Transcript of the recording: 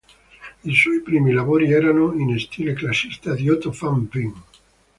I suoi primi lavori erano in stile classista di Otto van Veen.